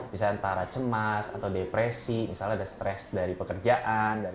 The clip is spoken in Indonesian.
misalnya antara cemas atau depresi misalnya ada stres dari pekerjaan